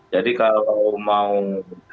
masih terlalu dini ngomongin itu